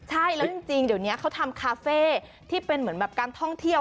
ใช่แล้วจริงเดี๋ยวนี้เขาทำคาเฟ่ที่เป็นเหมือนแบบการท่องเที่ยว